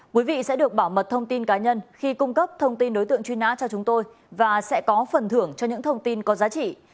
quý vị sẽ được bảo mật thông tin cá nhân khi cung cấp thông tin đối tượng truy nã cho chúng tôi và sẽ có phần thưởng cho những thông tin có giá trị